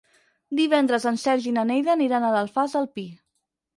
Divendres en Sergi i na Neida aniran a l'Alfàs del Pi.